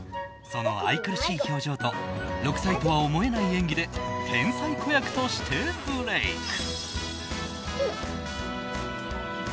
その愛くるしい表情と６歳とは思えない演技で天才子役としてブレーク。